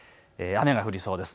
雨が降りそうです。